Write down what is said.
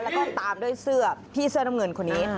แล้วก็ตามด้วยเสื้อพี่เสื้อน้ำเงินคนนี้